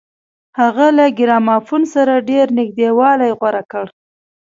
هغه له ګرامافون سره ډېر نږدېوالی غوره کړ.